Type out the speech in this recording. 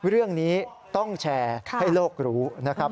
เรื่องนี้ต้องแชร์ให้โลกรู้นะครับ